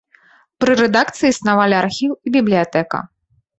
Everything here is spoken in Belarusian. Пры рэдакцыі існавалі архіў і бібліятэка.